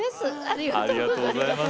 ありがとうございます。